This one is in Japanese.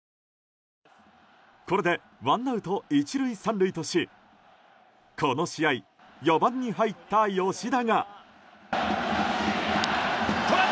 これでワンアウト１塁３塁としこの試合４番に入った吉田が。